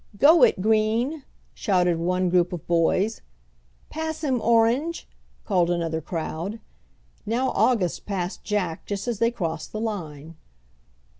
"Go it, green!" shouted one group of boys. "Pass him, orange!" called another crowd. Now August passed Jack just as they crossed the line.